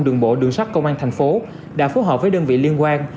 đường bộ đường sát công an thành phố đã phối hợp với đơn vị liên quan